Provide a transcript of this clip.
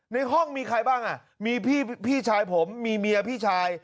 ในห้องมีใครบ้างอ่ะมีพี่ชายผมมีเมียพี่ชาย